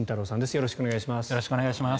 よろしくお願いします。